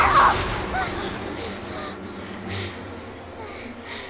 ああ！